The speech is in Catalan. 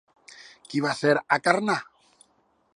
Qui va ser Acarnà?